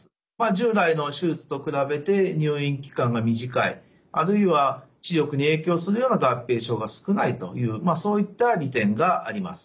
従来の手術と比べて入院期間が短いあるいは視力に影響するような合併症が少ないというそういった利点があります。